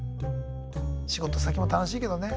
仕事先も楽しいけどね。